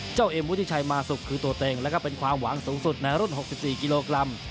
เอ็มวุฒิชัยมาสุกคือตัวเต็งแล้วก็เป็นความหวังสูงสุดในรุ่น๖๔กิโลกรัม